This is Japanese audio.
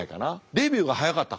デビューが早かった。